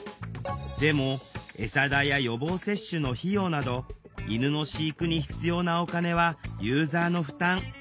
でもえさ代や予防接種の費用など犬の飼育に必要なお金はユーザーの負担。